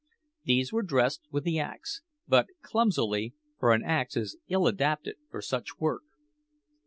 These were dressed with the axe but clumsily, for an axe is ill adapted for such work.